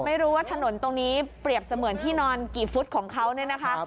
ไม่รู้ว่าถนนตรงนี้เปรียบเสมือนที่นอนกี่ฟุตของเขาเนี่ยนะคะ